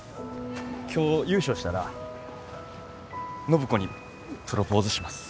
今日優勝したら暢子にプロポーズします。